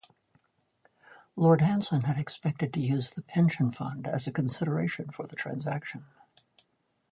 Lord Hanson had expected to use the Pension Fund as consideration for the transaction.